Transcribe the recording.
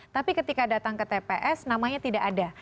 tapi ketika datang ke tps namanya tidak ada